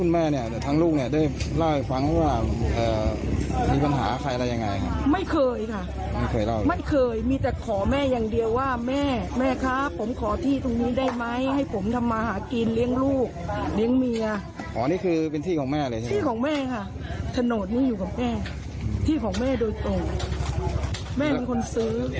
แม่อยู่กับแม่ที่ของแม่โดยตัวแม่เป็นคนซื้อ